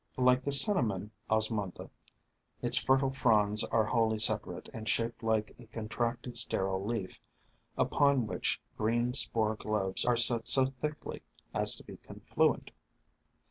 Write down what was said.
Like the Cinnamon Osmunda, its fertile fronds are wholly separate, and shaped like a contracted, sterile leaf, upon which green spore globes are set so thickly as to be confluent.